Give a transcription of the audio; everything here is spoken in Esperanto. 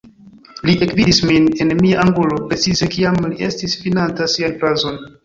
Li ekvidis min en mia angulo, precize kiam li estis finanta sian frazon.